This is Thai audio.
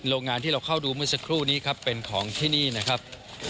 โรงงานที่เราเข้าดูเมื่อสักครู่นี้ครับเป็นของที่นี่นะครับ